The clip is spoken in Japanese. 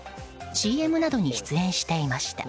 ＣＭなどに出演していました。